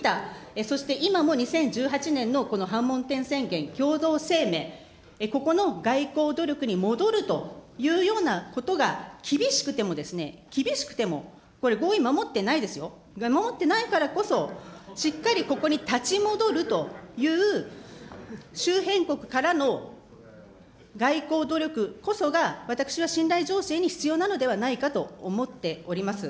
そして今も２０１８年のこの板門店宣言、共同声明、ここの外交努力に戻るというようなことが厳しくてもですね、厳しくてもこれ、合意守ってないですよ、守ってないからこそ、しっかりここに立ち戻るという、周辺国からの外交努力こそが、私は信頼醸成に必要なのではないかと思っております。